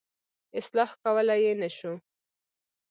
اصلاح کولای یې نه شو.